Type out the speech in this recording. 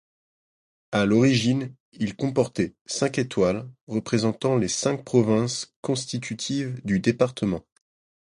À l'origine, il comportait cinq étoiles, représentant les cinq provinces constitutives du département.